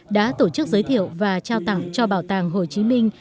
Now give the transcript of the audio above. đã tổ chức giới thiệu và trao tặng cho bảo tàng hồ chí minh